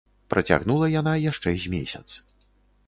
Працягнула яна яшчэ з месяц.